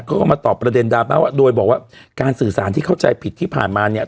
เขาก็มาตอบประเด็นดราม่าว่าโดยบอกว่าการสื่อสารที่เข้าใจผิดที่ผ่านมาเนี่ย